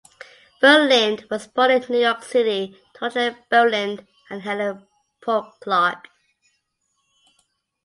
Berlind was born in New York City to Roger Berlind and Helen Polk Clark.